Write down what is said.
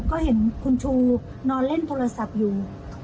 ก็เห็นคุณชูนอนเล่นโทรศัพท์อยู่